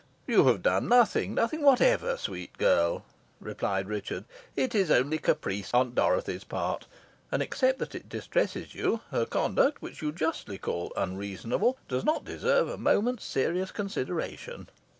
"You have done nothing nothing whatever, sweet girl," replied Richard. "It is only caprice on Dorothy's part, and except that it distresses you, her conduct, which you justly call 'unreasonable,' does not deserve a moment's serious consideration."